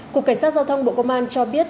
cục cảnh sát giao thông bộ công an cho biết